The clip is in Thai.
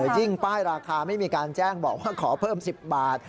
ป้ายราคาไม่มีการแจ้งบอกว่าขอเพิ่ม๑๐บาท